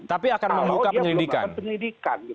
oke tapi akan membuka penyelidikan